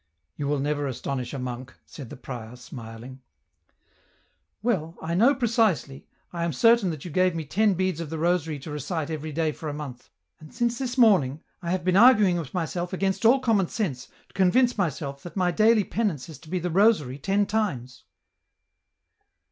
" You w"ll never astonish a monk," said the prior, smiling. Well, I know precisely, I am certain that you gave me ten beads of the rosary to recite every day for a month, and, since this morning, I have been arguing with myself against all common sense, to convince myself that my daily penance is to be the rosary ten times."